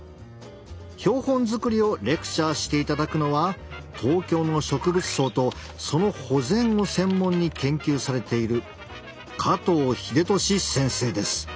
標本作りをレクチャーしていただくのは東京の植物相とその保全を専門に研究されている加藤英寿先生です。